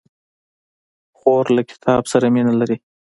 خور له کتاب سره مینه لري.